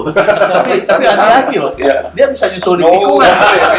tapi aneh aneh loh dia bisa nyusul di tingkat lain